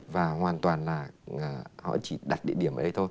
và hoàn toàn là họ chỉ đặt địa điểm ở đây thôi